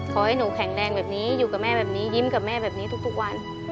ขอให้หนูแข็งแรงแบบนี้อยู่กับแม่แบบนี้ยิ้มกับแม่แบบนี้ทุกวัน